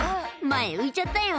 「前浮いちゃったよ